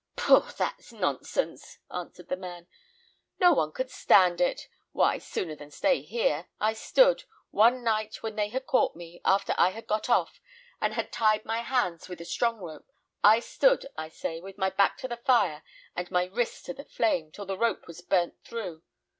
"Pooh! that's nonsense," answered the man. "No one could stand it. Why, sooner than stay there, I stood one night when they had caught me, after I had got off, and had tied my hands with a strong rope I stood, I say, with my back to the fire and my wrists to the flame, till the rope was burnt through.